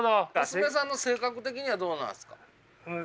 娘さんの性格的にはどうなんですか？